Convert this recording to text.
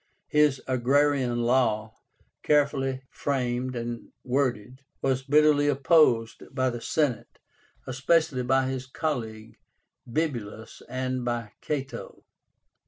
His AGRARIAN LAW, carefully framed and worded, was bitterly opposed by the Senate, especially by his colleague, Bibulus, and by Cato.